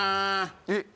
えっ